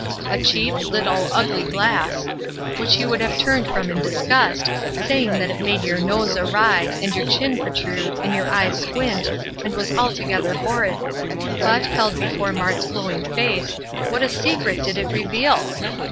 A cheap, little, ugly glass, which you would have turned from in disgust, saying that it made your nose awry, and your chin protrude and your eyes squint, and was altogether horrid; but, held before Mart's glowing face, what a secret did it reveal!